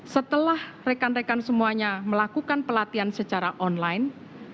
setelah rekan rekan semuanya melakukan pelatihan secara online